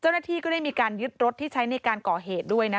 เจ้าหน้าที่ก็ได้มีการยึดรถที่ใช้ในการก่อเหตุด้วยนะ